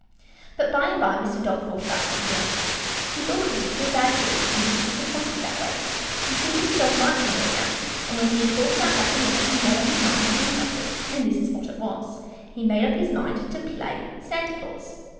But by and by Mr. Dog thought about something else. He thought it would be too bad, too, for them to be disappointed that way. You see, Mr. Dog liked them all now, and when he had thought about that a minute he made up his mind to do something. And this is what it was he made up his mind to play Santa Claus!